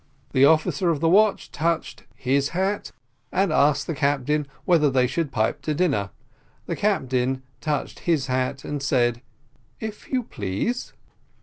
The officer of the watch touched his hat, and asked the captain whether they should pipe to dinner the captain touched his hat and said, "If you please."